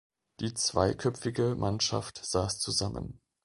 Die zweiköpfige Mannschaft saß zusammen.